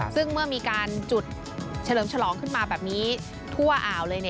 ซึ่งเมื่อมีการจุดเฉลิมฉลองขึ้นมาแบบนี้ทั่วอ่าวเลย